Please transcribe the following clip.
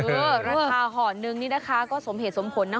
ราคาห่อนึงนี่นะคะก็สมเหตุสมผลนะ